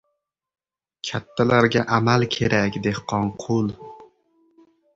— Kattalarga amal kerak, Dehqonqul!